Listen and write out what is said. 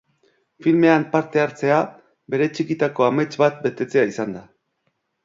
Filmean parte hartzea bere txikitako amets bat betetzea izan da.